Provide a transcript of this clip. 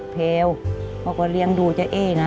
แพลวเขาก็เรียงดูเจ้าแอ้นะ